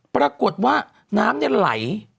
ปรากฏว่าน้ำเนี่ยไหล